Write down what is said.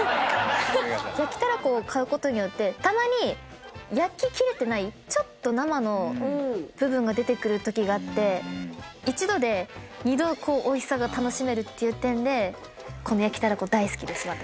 焼きたらこを買うことによってたまに焼ききれてないちょっと生の部分が出てくるときがあって一度で二度おいしさが楽しめるっていう点で焼きたらこ大好きです。